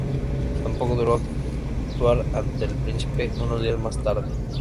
Tampoco pudo actuar ante el Príncipe unos días más tarde.